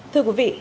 thưa quý vị